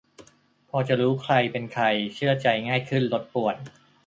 -พอจะรู้ใครเป็นใคร เชื่อใจง่ายขึ้น ลดป่วน